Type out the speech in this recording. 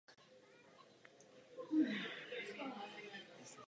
Z toho důvodu nemohou existovat náboženské konflikty.